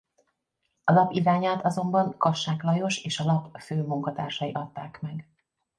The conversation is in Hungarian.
A lap irányát azonban Kassák Lajos és a lap főmunkatársai adták meg.